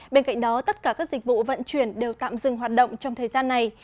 bên cạnh đó tất cả các dịch vụ vận chuyển đều tạm dừng hoạt động trong thời gian này